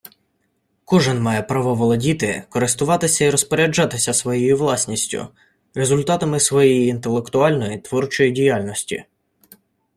Кожен має право володіти, користуватися і розпоряджатися своєю власністю, результатами своєї інтелектуальної, творчої діяльності